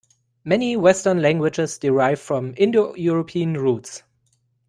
Many Western languages derive from Indo-European roots